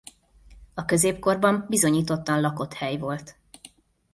A középkorban bizonyítottan lakott hely volt.